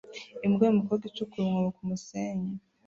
Imbwa yumukobwa icukura umwobo kumusenyi